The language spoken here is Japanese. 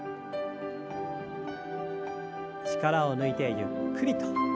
力を抜いてゆっくりと。